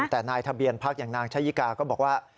แต่นายทะเบียนพักอย่างนางชะยิกาก็บอกว่า